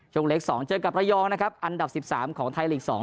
ช่วงเล็กสองเจอกับระยองนะครับอันดับสิบสามของไทยหลีกสอง